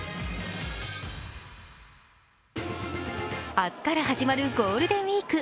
明日から始まるゴールデンウイーク。